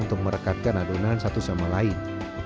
untuk merekatkan adonan satu sama lain